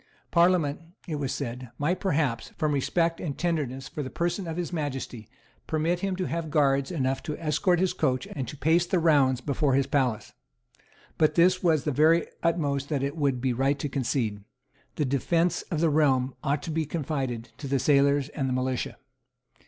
Parliament, it was said, might perhaps, from respect and tenderness for the person of His Majesty, permit him to have guards enough to escort his coach and to pace the rounds before his palace. But this was the very utmost that it would be right to concede. The defence of the realm ought to be confided to the sailors and the militia.